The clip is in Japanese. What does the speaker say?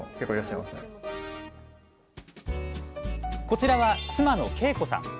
こちらは妻の桂子さん。